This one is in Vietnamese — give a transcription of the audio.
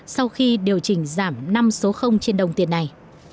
sau khi điều chỉnh giảm năm số trên đồng tiền này